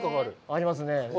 ありますね。